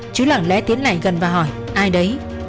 chứ lẳng lẽ tiến lại gần và hỏi ai đấy